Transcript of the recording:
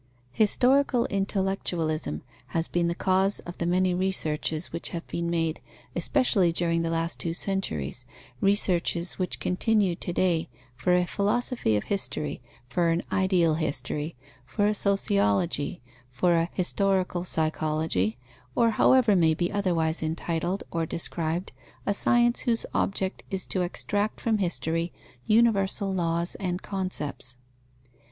_ Historical intellectualism has been the cause of the many researches which have been made, especially during the last two centuries, researches which continue to day, for a philosophy of history, for an ideal history, for a sociology, for a historical psychology, or however may be otherwise entitled or described a science whose object is to extract from history, universal laws and concepts.